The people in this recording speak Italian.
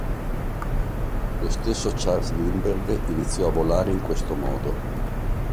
Lo stesso Charles Lindbergh iniziò a volare in questo modo.